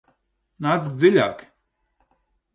Nāc dziļāk!